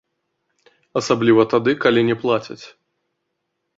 Асабліва тады, калі не плацяць.